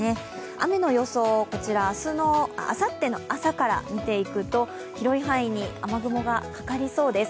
雨の予想、あさっての朝から見ていくと広い範囲に雨雲がかかりそうです。